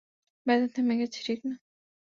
ব্যথা থেমে গেছে, ঠিক না।